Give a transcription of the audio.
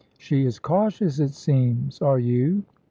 "She is cautious, it seems. Are you?"